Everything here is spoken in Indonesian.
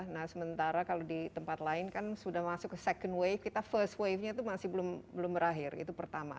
nah sementara kalau di tempat lain kan sudah masuk ke second wave kita first wave nya itu masih belum berakhir itu pertama